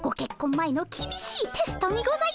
前のきびしいテストにございます。